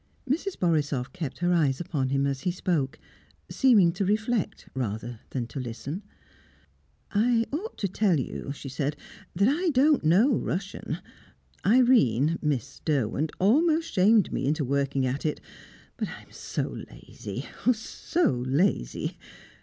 Mrs. Borisoff kept her eyes upon him as he spoke, seeming to reflect rather than to listen. "I ought to tell you," she said, "that I don't know Russian. Irene Miss Derwent almost shamed me into working at it; but I am so lazy ah, so lazy!